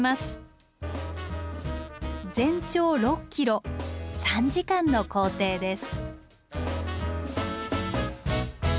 全長６ｋｍ３時間の行程です。